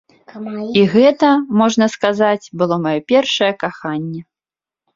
І гэта, можна сказаць, было маё першае каханне.